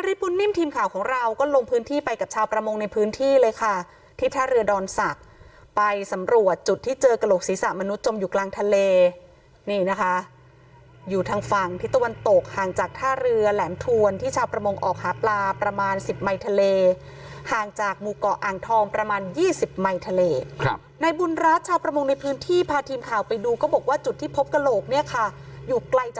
นริปุ่นนิ่มทีมข่าวของเราก็ลงพื้นที่ไปกับชาวประมงในพื้นที่เลยค่ะที่ท่าเรือดอนสักไปสำรวจจุดที่เจอกระโหลกศีรษะมนุษย์จมอยู่กลางทะเลนี่นะคะอยู่ทางฝั่งที่ตะวันตกห่างจากท่าเรือแหลมทวนที่ชาวประมงออกหาปลาประมาณสิบไมค์ทะเลห่างจากหมู่เกาะอ่างทองประมาณยี่สิบไมค์ทะเลครับในบุญราชชาวป